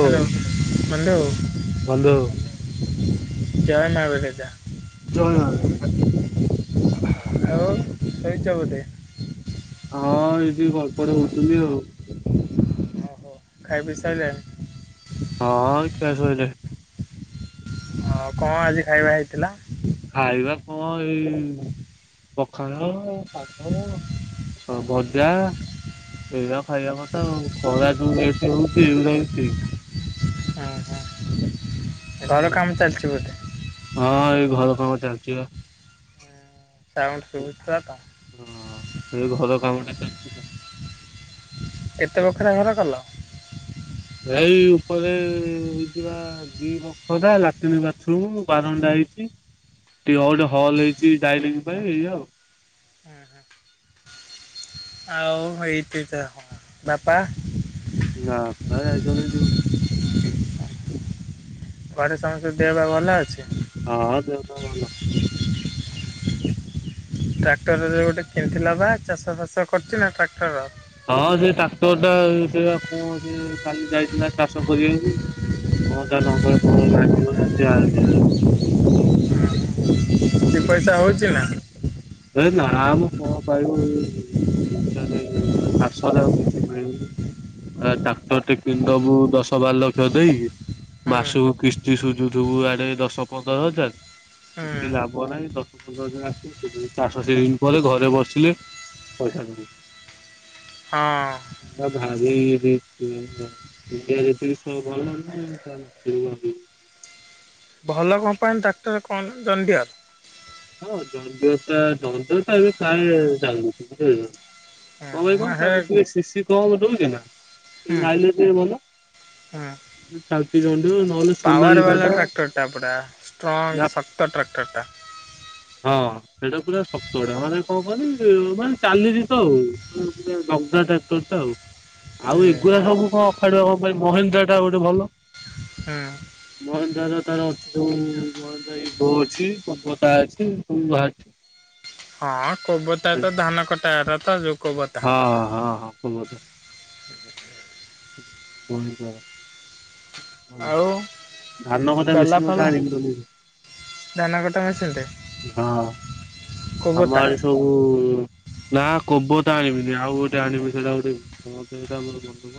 Hello ବନ୍ଧୁ। ବନ୍ଧୁ ଜୟ ମା ବିରଜା। [unintelligible] ଆଉ ଶୋଇଛ ବୋଧେ? ହଁ ଏଇଠି ଗଡ ପଡ ହୋଉଛନ୍ତି ଆଉ। ଓ ହୋ ଖାଇ ପିଇ ସାରିଲଣି? ହଁ ଖିଆ ସଇଲାଣି। ହଁ କଣ ଆଜି ଖାଇବା ହେଇଥିଲା? ଖାଇବା କଣ ଏଇ ପଖାଳ, ଶାଗ, ଭଜା। ଏଇଆ ଖାଇବା କଥା ଆଉ ଖରା ଯୋଉ ରେଟରେ ହଉଛି। ରହିଛି। ହୁଁ ହୁଁ ଘର କାମ ଚାଲିଛି ବୋଧେ? ହଁ ଏଇ ଘର କାମ ଚାଲିଛି ବା। ସାଉଣ୍ଡ ସୁବୁଥିଲା ତ? ହଁ ଏ ଘର କାମ ଟା ଚାଲିଛି। କେତେ ବଖରା ଘର କଲ? ଏଇ ଉପରେ ହେଇଥିବା ଦି ବଖରା ଲାଟିନ, ବାଥରୁମ, ବାରଣ୍ଡା ହେଇଛି। ଟିକେ ଆଉ ଗୋଟେ ହଲ୍ ହେଇଛି ଡାଇନିଂ ପାଇଁ ଏଇ ଆଉ। ହୁଁ ହୁଁ। ଆଉ ଏଇଠି ତ ହଁ ବାପା। ନାଁ ବାପା ଯାଇଛନ୍ତି ଡ଼ିଉଟି। ଘରେ ସମସ୍ତଙ୍କ ଦେହ ପାହ ଭଲ ଅଛି? ହଁ ଦେହ ପା ଭଲ। ଟ୍ରାକ୍ଟରରେ ଗୋଟେ କିଣିଥିଲା ବା ଚାଷ ଫାସ କରିଛି ନା ଟ୍ରାକ୍ଟର? ହଁ ସେ ଟ୍ରାକ୍ଟର ଟା ସେ କଣ ହଉଚି କାଲି ଯାଇଥିଲା ଚାଷ କରିବାକୁ? [unintelligible] କିଛି ପଇସା ହଉଛି ନା? ସେ ନାମ କଣ ପାଇବ ଇଏ। ଖାଲି ଚାଷରେ ଆଉ କିଛି ମିଳୁନି? ଆ ଟାକ୍ଟର ଟେ କିଣି ଦବୁ ଦଶ ବାର ଲକ୍ଷ ଦେଇ ହୁଁ ମାସକୁ କିସ୍ ସୁଝୁଥିବୁ ଯୋଉ ଆଡେ ଦଶ ପନ୍ଦର ହଜାର ହୁଁ କିଛି ଲାଭ ନାହିଁ। ଦଶ ପନ୍ଦର ହଜାର ଆସ୍‌ ଚାଷ ସିଜିନି ପରେ ଘରେ ବସିଲେ ପଇସା ସରିବ। ହଁ। ଭାରି [unintelligible] ସେୟାବି। ଭଲ କର୍ମ୍ପାନୀ ଟ୍ରାକ୍ଟର କଣ ଜଣ୍ଡିୟାର? ହଁ ଜଣ୍ଡିୟର ଟା ଜଣ୍ଡିୟର ଟା ପ୍ରାୟ ଚାଲୁନି। ବୁଝି ପାଇଲେ? କଣ ପାଇଁ ହୁଁ କହନି ସିସି କଣ ଦଉଚିନା ହୁଁ ଖାଇଲି। କିଏ ଭଲ? ହୁଁ [unintelligible] ନହେଲେ ପାୱାର ସୋନାଲି ବାଲା ଟାଟା। ତା ଟ୍ରାକ୍ଟରଟା। ହଁ। ସେଇଟା ପୁରା ଶତ ଗଡା ମାନେ କଣ କ ମାନେ ଚାଲିିଲି ତ ଆଉ ଦଗଦା ଟ୍ରାକ୍ଟର ଟା ଆଉ। ଆଉ ଏଗୁଡା ହୁଁ ସବୁ କଣ ଅଖାଡୁଆ କଣ ପାଇଁ ମହେନ୍ଦ୍ରା ଟା ଗୋଟେ ଭଲ। ମହେନ୍ଦ୍ରାର ତାର ଅଛି ଯୋଉ ମହେନ୍ଦ୍ରା ଇବୋ ଅଛି କୋମ୍ବତା ଅଛି। ଏ କୋଉ ବାହାରିଛି। ହଁ କୋବତା ତ ଧାନ କଟାର ତ ଯୋଉ କୋବତା। ହଁ ହଁ ହଁ କଣ ଟା? ଆଉ। ଧାନ କଟା ମେସିନ୍ ଗୋଟେ ଆଣିବି ବୋଲି। ଦାନା କଟା ମେସିନ୍ ଟେ? ହଁ ଆମ କୋବତା ଆଡ଼େ ସବୁ ନା କୋବତା ଆଣିମିନି। ଆଉ ଗୋଟେ ଆଣିବି ସେଇଟା ଗୋଟେ କଣ ସେଇଟା ମୋର ମନେ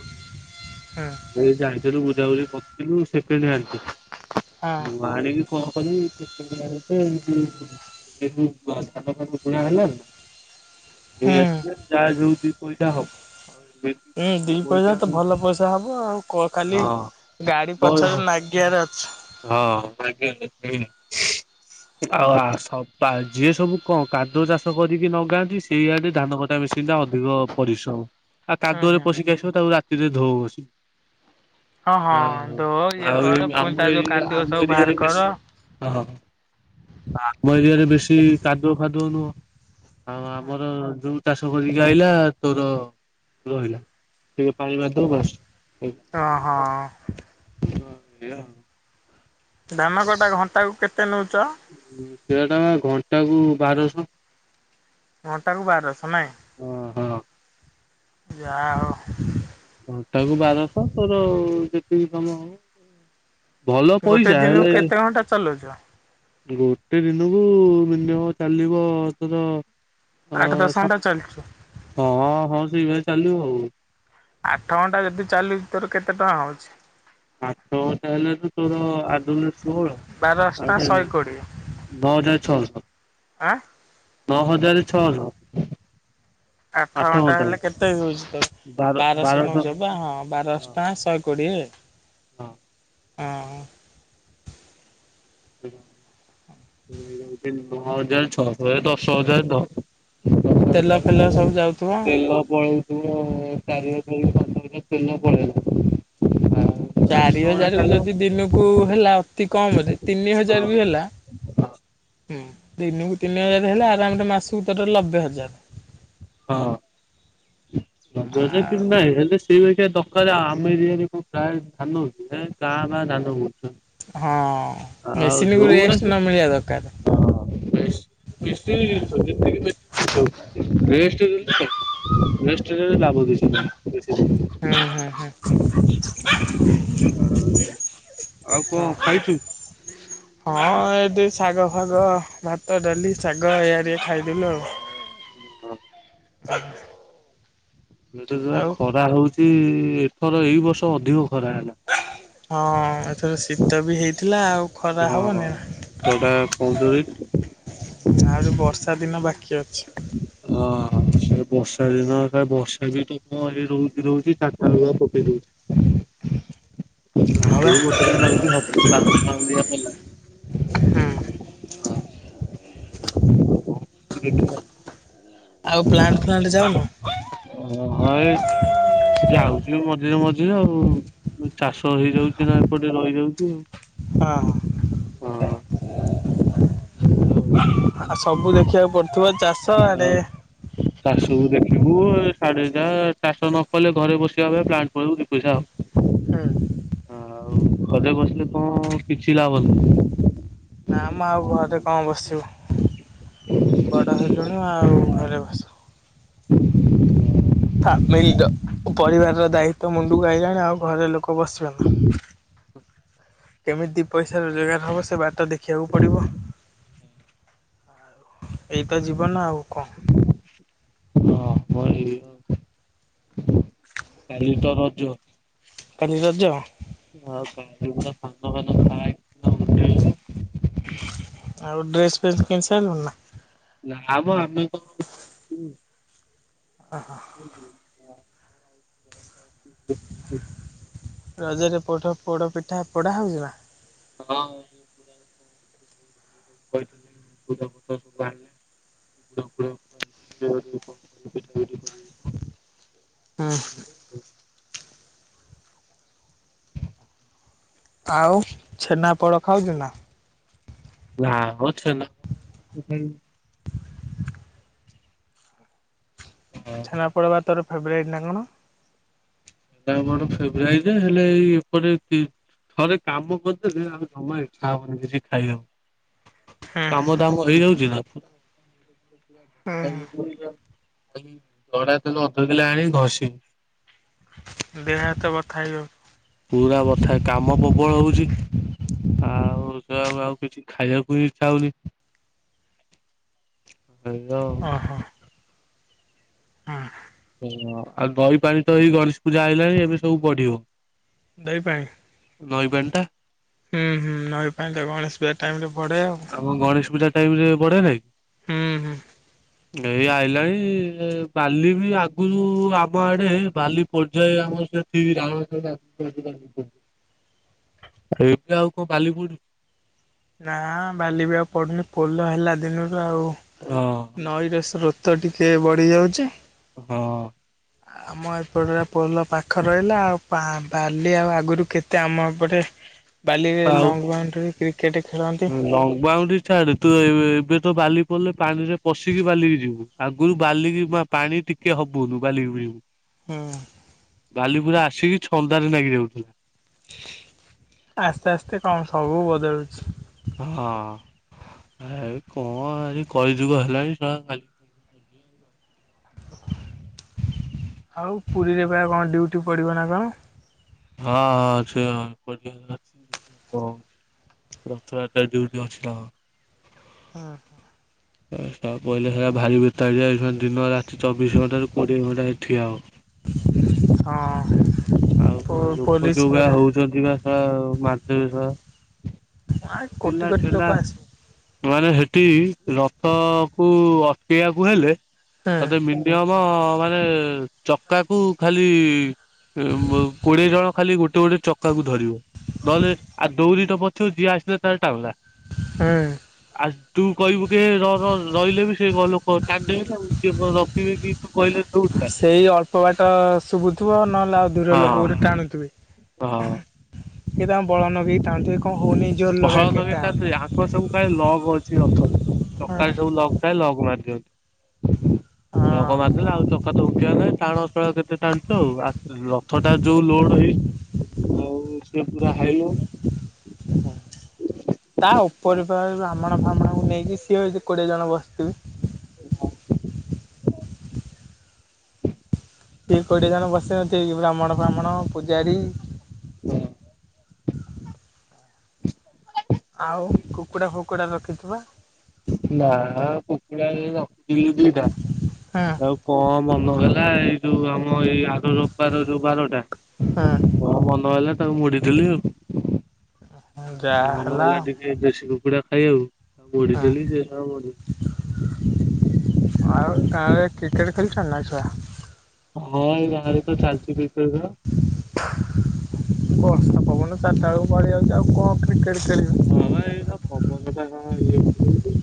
ହଁ। ଏଇଠି ଆଣିଥିଲୁ ବୁଝାବୁଝି କରିଥିଲୁ ସେକଣ୍ଡ ହ୍ୟାଣ୍ଡ ଟେ। ହଁ [inaudible] ଆଣିବି କଣ କରିବି ସେକେଣ୍ଡ ହ୍ୟାଣ୍ଡ ଟେ କି ଏବେ [unintelligible] ଧାନ ଫାନ ବୁଣା ହେଲାଣି। ନେଇ ହୁଁ ଆସିଲେ ଯାହା ଯୋଉ ଦି ପଇସା ହବ। ଆଉ ଏମିତି ଉଁ, କଣ ଦି ପଇସା ତ ହଁ ଭଲ ପଇସା ହବ ଆଉ। କ- ଖାଲି ଗାଡି ହଁ ପଛରେ ନାଗିବାର ଅ ହଁ [unintelligible] ଆଉ ଆ, ସବା ଯିଏ ସବୁ କଣ କାଦୁଅ ଚାଷ କରିକି ନଗାନ୍ତି ସିଆଡେ ଧାନ କଟା ମେସି ସିନ୍ ଟା ଅଧିକ ପରିଶ୍ରମ। ଆ, ହୁଁ କାଦୁଅରେ ହୁଁ ପଶିକି ଆସିବ ତାକୁ ରାତିରେ ଧୋ ବସିକି। ହଁ, ହଁ ଆଉ ଧୋ ଇଏ ଆଉ ଏ କର ଆମ ପୁଣି ତା ଯୋଉ କାଦୁଅ ସବୁ ବାହାର କର। ଓହୋ, ଆମ ଏରିଆରେ ବେଶୀ କାଦୁଅ ଫାଦୁଅ ନୁହଁ? ଆଉ ଆମର ଯୋଉ ଚାଷ କରିକି ଆଇଲା ତୋର ରହିଲା। ଟିକେ ପାଣି ମାରିଦବୁ ବାସ୍। ଓହୋ ହଉ [inaudible] ଧାନ କଟା ଘଣ୍ଟା କୁ କେତେ ନଉଚ? ସିଏ ତୋମେ ଘଣ୍ଟା କୁ ବାରଶହ। ଘଣ୍ଟାକୁ ବାରଶହ ନାଇଁ? ହଁ, ହଁ। ଯା ହଉ। ଘଣ୍ଟା କୁ ବାରଶହ ତୋର ଯେତିକି ସମୟ ହବ। ଭଲ ପଇସା ହେଲେ କଣ ଟା ଚଲଉଛ? ଗୋଟେ ଦିନକୁ ମିନିମମ୍ ଚାଲିବ ତୋର ଆଠ ଅ ଦଶ ସା ଘଣ୍ଟା ଚାଲଛୁ। ହଁ, ହଁ ସେଇ ଭଳିଆ ଚାଲିବ ଆଉ। ଆଠ ଘଣ୍ଟା ଯଦି ଚାଲୁଚି ତୋର କେତେ ଟଙ୍କା ହଉଛି? ଆଠ ଘଣ୍ଟା ହେଲେ ତ ତୋର ଆଠ ଦୁଣେ ଷୋହଳ। ବାର ଅଷ୍ଟା ଆଠେ ଶହେ ନା କୋଡିଏ ଧଅ ହଜାର ଛଅଶହ, ଆଁ ନଅ ହଜାର ଛଅଶହ। ଆଠ ଘଣ୍ଟା ହେଲେ କେତେ ହଉଛି ତ? ବାରଶହ ନଉଚ ବା ହଁ ବାର ହଁ ଅଷ୍ଟା ଶହେ କୋଡିଏ। ହଁ। ଅଁ, ହଁ। [inaudible] ନଅ ହଜାର ଛଅଶହ ଏ ହଜାର ଦଶ ହଜାର ଧୋ। ତେଲ ଫେଲ ସବୁ ଯାଉଥୁବ। ତେଲ ପଳେଇ ତୁମ ଚାରି ହଜାର କି ପାଞ୍ଚ ହଜାର ତେଲ ପଳେଇଲା। ଆଉ ଆଠ ଚାରି ନଅ ଘଣ୍ଟା ହଜାର ଚାଲିବ ଯଦି ଦିନକୁ ହେଲା ଅତି କମ୍ ରେ ତିନି ହଜାର ବି ହଁ ହେଲା ହୁଁ, ଦିନକୁ ତିନି ହଜାର ହେଲେ ଆରାମ ରେ ମାସକୁ ତୋର ଲବେ ହଜାର। ହଁ। ହଁ [unintelligible] କି ନାଇଁ ହେଲେ ସେ ଦରକାର ଆମ ଏରିଆରେ କୋଉ ପ୍ରାୟ ଧାନ ହଉଛି। କାଁ ଭାଁ ଧାନ କରୁଛନ୍ତି। ହଁ ମେସିନ କୁ ରେଷ୍ଟ ନ ମିଳିବା ଦରକାର। ହଁ ବି ଜିନଷ ଯେତିକି ଜିନିଷ [inaudible] ଲାଭ [inaudible] ହୁଁ ହୁଁ [unintelligible] ଆଉ କଣ ହଁ। ଖାଇଛୁ? ହଁ ଏଠି ଶାଗ ଫାଗ ଭାତ ଡାଲି ଶାଗ ଇଆରିଆ ଖାଇଦେବି ଆଉ। [inaudible] ଏ ଯୋଉ ଆଉ। ଖରା ହଉଛି ଏଥର ଏଇ ବର୍ଷ ଅଧିକ ଖରା ହେଲା। ହଁ ଏଥର ଶୀତ ବି ହେଇଥିଲା ଆଉ। ଖରା ହଁ ହବନି ନା। ଶୀତ ଟା କମ ଜୋରେ ହେଇଛି। ହୁଁ ଆହୁରି ବର୍ଷା ଦିନ ବାକି ଅଛି। ହଁ ବର୍ଷା ଦିନ ବର୍ଷା ବି ତ ଏଇ ରହୁଛିି ରହୁଛି ଚାଟା ବେଳକୁ ପକେଇ ଦଉଛି। ହଁ ବା। ଆଜି ବି ଗୋଟେ କ ନେ ହବନି [inaudible] ହୁଁ ଦେଖ [inaudible] ଆଉ ପ୍ଲାଣ୍ଟ ଫ୍ଲାଣ୍ଟ ଯାଉନୁ। ଓ ହଁ ଏ ଯାଉଥିଲ ମଝିରେ ମଝିରେ ଆଉ। ଚାଷ ହେଇଯାଉଛି ନା ଏପଟେ ରହିଯାଉଛି ଆଉ। ହଁ ହ [inaudible] ଆଉ ସବୁ ଦେଖିବାକୁ ପଡୁଥିବ ଚାଷ ଆଡେ ଆଉ ଚାଷକୁ ଦେଖିବୁ ସାଢେ ଯା ଚାଷ ନ କଲେ ଘରେ ବସିବା ଅପେକ୍ଷା ପ୍ଲାଣ୍ଟକୁ ପଳେଇବୁ ଦି ପଇସା ହବ। ହଁ ଆଉ ଘରେ ବସିଲେ କଣ କିଛି ଲାଭ ନାହିଁ। ନା ମ ଆଉ ଘରେ କଣ ବସିବୁ ହା ହେଲୁଣି ଆଉ ଘରେ ବସିବୁ। [unintelligible] ଫାମିଲିର ପରିବାରର ଦାୟିତ୍ଵ ମୁଣ୍ଡୁ କୁ ଆଇଲାଣି ଆଉ ଘରେ ଲୋକ ବସିବେ ନା। କେମିତି ପଇସା ରୋଜଗାର ହବ ସେ ବାଟଟା ଦେଖିବାକୁ ପଡିବ। ଏଇତ ଯିବନ ଆଉ କଣ। ହଁ ଭାଇ। କାଲି ତ ରଜ। କାଲି ରଜ? ହଁ କ ସାନ [inaudible] ଆଉ ଡ୍ରେସ୍ ଫେସ କିଣିସାରି ଲୁଣୁ ନା। ନା ଆମ ଆମେ କଣ। ହଁ ହଁ। [unintelligible] ରଜରେ ପୋଡ଼ା ପୋଡ଼ପିଠା ପୋଡ଼ା ହେଉଛିିନା। ହଁ କହିଥିଲେ ଫ ସବୁ ବାହାରିଲେ। ଗୁଡା [inaudible] ହୁଁ। ଆଉ ଛେନାପୋଡ଼ ଖାଉଛୁ ନା। ନା ମ ଛେନାପୋଡ଼ [inaudible] ଛେନାପୋଡ ପା ତୋର ଫେବରାଇଟ୍ ନା କଣ? ଆମର ଫେଭରାଇଟ ଯେ ହେଲେ ଏଇ ଏପଟ। ଥରେ କାମ କରିଦେଲେ ଆଉ ଜମା ଇଚ୍ଛା ହବନି କିଛି ଖାଇଆକୁ। ହୁଁ କାମ ଦାମ ହେଇଯାଉଛି ନା। ହୁଁ ଜଡା ତେଳ ଅଧ କିଲୋ ଆଣିକି ଘଷିବି। ଦେହ ହାତ ବଥା ହେଇବ। ପୁରା ବଥା କାମ ପ୍ରବଳ ହଉଛି। ଆଉ ସେ ଆଉ ଆଉ କିଛି ଖାଇବାକୁ ବି ଇଛା ହଉନି। [inaudible] ଓ ହୋ। ହଁ। ଓ ଆଉ ଦହି ପାଣି ତ ଏଇ ଗଣେଶ ପୂଜା ଆଇଲାଣି ଏବେ ସବୁ ବଢିବ। ଦହି ପାଣି। ଦହି ପାଣି ଟା। ହୁଁ ହୁଁ ନଈ ପାଣି ଟା ଗଣେଶ ପୂଜା ଟାଇମ ରେ ପଢେ ଆଉ। ହଁ ଗଣେଶ ପୂଜା ଟାଇମ ରେ ବଢେ ନଇ। ହୁଁ ହୁଁ। ଏଇ ଆଇଲାଣି ବାଲି ବି ଆ ଆଗରୁ ଆମ ଆଡେ ବାଲି ପଡ଼ିଯାଏ ଆମର [unintelligible] ଏବେ ଆଉ କଣ ବାଲି ପଡୁଚି। ନା ବାଲିବି ଆଉ ପଡୁନି ପୋଲ ହେଲା ଦିନରୁ ଆଉ ହଁ। ନଈର ସ୍ରୋତ ଟିକେ ବଢ଼ିଯାଉଛି। ହଁ। ଆମ ଏପଟରେ ପୋଲ ପାଖ ରହିଲା ଆଉ ପା ବାଲି ଆଉ ଆଗରୁ କେତେ ଆମ ଏପଟେ ବାଲିରେ ଲଙ୍ଗ୍ ବାଉଣ୍ଡ୍ରି ରେ କ୍ରିକେଟ୍ ଖେଳନ୍ତି। ହୁଁ ଲଙ୍ଗ ବାଉଣ୍ଡରି ଛାଡେ ତୁ ଏ ଏବେ ତ ବାଲି ପଡ଼ିଲେ ପାଣି ରେ ପଶିକି ବାଲିକି ଯିବୁ ଆଗରୁ ବାଲି କି ମା ପାଣି ଟିକେ ହବୁନୁ ବାଲି [unintelligible] ହୁଁ। ବାଲିପୁରା ଆସିକି ଛନ୍ଦାରେ ନାଗି ଯାଉଥିଲା। ଆସ୍ତେ ଆସ୍ତେ କଣ ସବୁ ବଦଳୁଛି। ହଁ ଏ କଣ ଆସି କହିଯୁଗ ହେଲାଣି ଶଳା ଖାଲି ହୁଁ। ଆଉ ପୁରୀରେ ବା କଣ ଡିଉଟି ପଡିବ ନା କଣ। [unintelligible] ରଥଯାତ୍ରା ଡିୟୁଟି ଅଛି ତ। ହଁ। ଏ ଶଳା ପଇଲେ ହେରା ଭାରି ଭେତାଳିଆ ଦିନ ରାତି ଚବିଶ ଘଣ୍ଟାରୁ କୋଡିଏ ଘଣ୍ଟା ହେଇଠି ଠିଆ ହବ। ହଁ [inaudible] ପୋ ପୋଲିସି ରେ ଯଦି ବା ସଳା ମାରିଦେବେ ସଳା ନାଇ କୋଟି କୋଟି ଲୋକ ଆସି ମାନେ ହେଠି ରଥ କୁ ଅଟକେଇବାକୁ ହେଲେ ହୁଁ ତତେ ମିନି ନିୟମ ମାନେ ଚକାକୁ ଖାଲି ଉ କୋଡ଼ିଏ ଜଣ ଖାଲି ଗୋଟେ ଗୋଟେ ଚକାକୁ ଧରିବ ନହେଲେ ଆ ଦଉଡ଼ି ଟା ପଡିଥିବ ଯିଏ ଆସିଲା ଟାଣିଲା। ହୁଁ। ଆ ତୁ କହିବୁ କି ହେ ରହ ରହ ରହିଲେ ବି ସେ ବ ଲୋକ କ ଟାଣିଦେବେ ନା ତୁ ରଖିବେ କି ତୁ କହିଲେ ଦଉଡି ଟା। ସେଇ ଅଳ୍ପ ବାଟ ଶୁଭୁଥିବ ନହେଲେ ଆଉ ଦୂର ହଁ ଲୋକ ଗୋଟେ ଟାଣୁଥିବେ। ହଁ। କି ତାଙ୍କ ବଳ ଲଗେଇକି ଟାଣୁଥିବେ କଣ ହଉନି ଜୋର ଲଗା ଟାଣେ। ଉପରେ ସବୁ ପ୍ରାୟ ଲଗ୍ ଅଛି ରଥରେ ହଁ ଚକାରେ ସବୁ ଲଗ ଥାଏ ଲଗ୍ ମାରିଦିଅନ୍ତି। ଲକ୍ ହଁ ମାରିଦେଲେ ଆଉ ଚକା ତ ଉଠିବାର ନାହିଁ ଟାଣ ଟାଣ କେତେ ଟାଣିଛ ଆଉ ରଥ ଟା ଯୋଉ ଲୋଡ଼ ହେଇଛି ଆଉ ପୁରା ହାଇ [unintelligible] ହୁଁ। ତା ଉପରେ ବା ବ୍ରାହ୍ମଣ ଫାମଣ କୁ ନେଇକି ସିଏ କୋଡ଼ିଏ ଜଣ ବସିଥିବେ। [inaudible] ସିଏ କୋଡ଼ିଏ ଜଣ ବସିବେ ସେଇ ବ୍ରାହ୍ମଣ ଫାମାଣ ପୂଜାରୀ। ହଁ। ଆଉ କୁକୁଡ଼ା ଫୁ କୁକୁଡ଼ା ରଖିଚୁ ବା? ନା କୁକୁଡ଼ା ଏଇ ରଖିଥିଲି ଦିଟା ହୁଁ ଆଉ କଣ ମନହେଲା ଏଇ ଯୋଉ ଆମ ଏଇ ଆର ରବିବାର ଯୋଉ ବାରଟା। ହୁଁ କଣ ମନ ହେଲା ତାକୁ ମୁଡ଼ିଦେଲି ଆଉ। ହୁଁ। ମନ ହେଲା ଟିକେ ଦେଶୀ କୁକୁଡ଼ା ଖାଇବାକୁ ମୁଡ଼ି ହୁଁ ଦେଲି ଯେ [unintelligible] ଆଉ ଗାଁ ରେ କ୍ରିକେଟ୍ ଖେଳିଛ ନା ଛୁଆ? ହଁ ଏଇ ବାହାରେ ତ ଚାଲିଛି କ୍ରିକେଟ୍ ଖେଳ। ବର୍ଷା ପବନ ଚାରିଟା ବେଳକୁ ପଳେଇଆଉଛି ଆଉ କଣ କ୍ରିକେଟ ଖେଳିବି। ହଁ ବା ଏଇ [unintelligible] ପବନଟା ଇଏ [unintelligible]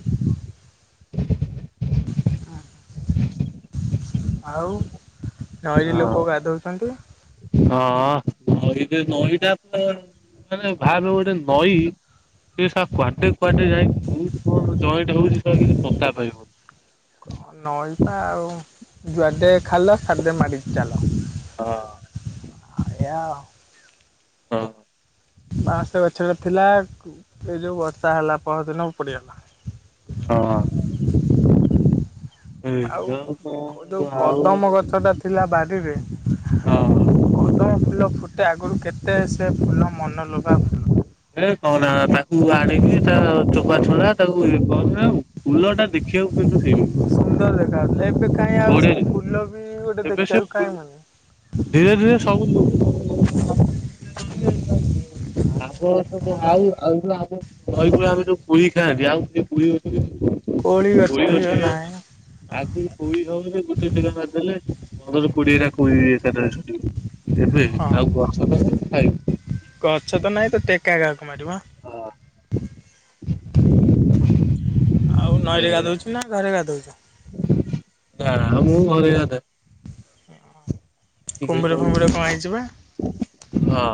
ହୁଁ ଆଉ ନଈରେ ଲୋକ ହଁ ଗାଧୋଇ ଥାନ୍ତି। ହଁ ନଈ ନଈଟା ତ ମାନେ ଭାବେ ଗୋଟେ ନଈ ସେ ସା କୁଆଡ଼େ କୁଆଡ଼େ ଯାଇକି କଉଠି କଣ ଜଏଣ୍ଟ୍ ହଉଛି ତାର କିଛି ପତା ପାଇବୁନି। ନଈ ପା ଆଉ ଯୁଆଡ଼େ ଖାଲ ସିଆଡ଼େ ମାଡ଼ି ଚାଲ। ହଁ। ଏଇଆ। ହୁଁ। ବାଉଁଶ ଗଛଟା ଥିଲା ଏଇ ଯୋଉ ବର୍ଷା ହେଲା ପର ଦିନ ଉପୁଡ଼ିଗଲା। ହଁ। ହୁଁ ଆଉ ଯୋଉ କଣ ଆଉ କଦମ ଗଛ ଟା ଥିଲା ବାରିରେ ହଁ କଦମ ଫୁଲ ଫୁଟେ ଆଗରୁ କେତେ ସେ ଫୁଲ ମନଲୋଭା। ଏ କହନା ତାକୁ ଆଣିକି ତା ଚୋପା ଛଡ଼ା ତାକୁ ଇଏ [unintelligible] ଫୁଲ ଟା ଦେ ସୁନ୍ଦର ଦେଖାାଯାଉଥିଲା ଏବେ କାଇଁ ଆଉ ବଢିଆ ସେ ଦେଖା ଫୁଲ ବି ଗୋଟେ ଏବେ ସେ ଦେଖିବାକୁ ଫୁଲ କାଇଁ ମିଳୁନି। ଧୀରେ ଧୀରେ ସବୁ [unintelligible] ଆଗ ସବୁ ଆଉ ଆଉ ଆମ ନଈ କୂଳେ ଆମେ ଯୋଉ [unintelligible] ଗାଁ ରେ ଆଉ ସେ [unintelligible] ଅଛି। କୋଳି ବି ଗଛ ଆଉ [unintelligible] ନାହିଁ ଆଗକୁ କୋଳି ହଉରେ ଗୋଟେ ଟେକା ମାରିଦେଲେ ପନ୍ଦର କୋଡ଼ିଏ ଟା କୋଳି ଏକାଥରେ ଛୁଟିବ ଏବେ ହଁ ଆଉ ଗଛ [unintelligible] ଖାଇବ। ଗଛ ତ ନାଇଁ ତ ଟେକା କାହାକୁ ମାରିବ ହାଁ। ହଁ। ଆଉ ନଈରେ ଏଇଆ। ଗାଧଉଛୁ ନା ଘରେ ଗାଧଉଛୁ? ନା ନା ମୁଁ ଘରେ ଗାଧାଏ। କୁମ୍ଭୀର ଫୁମ୍ଭୀର କଣ ହେଇଛି ବା। [unintelligible] ହଁ।